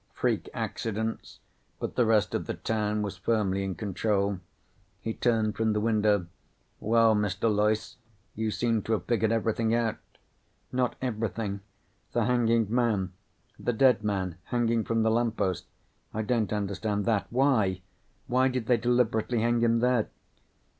Freak accidents. But the rest of the town was firmly in control." He turned from the window. "Well, Mr. Loyce. You seem to have figured everything out." "Not everything. The hanging man. The dead man hanging from the lamppost. I don't understand that. Why? Why did they deliberately hang him there?"